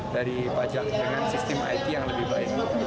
dari pajak dengan sistem it yang lebih baik